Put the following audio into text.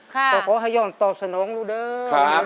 ก็ขอให้ยอห์นตอบสนองรู้เดิม